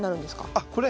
あっこれ？